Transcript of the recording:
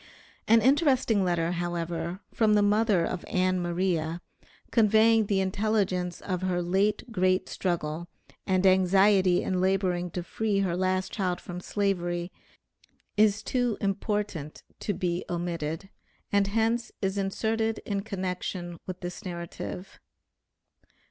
An interesting letter, however, from the mother of Ann Maria, conveying the intelligence of her late great struggle and anxiety in laboring to free her last child from Slavery is too important to be omitted, and hence is inserted in connection with this narrative.